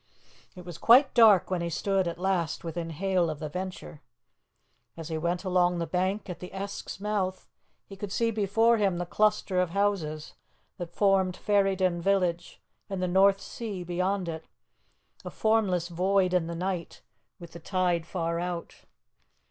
It was quite dark when he stood at last within hail of the Venture. As he went along the bank at the Esk's mouth, he could see before him the cluster of houses that formed Ferryden village, and the North Sea beyond it, a formless void in the night, with the tide far out.